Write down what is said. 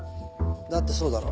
だってそうだろ。